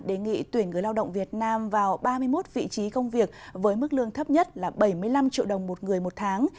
đề nghị tuyển người lao động việt nam vào ba mươi một vị trí công việc với mức lương thấp nhất là bảy mươi năm triệu đồng một người một tháng